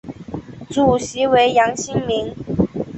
主席为杨新民。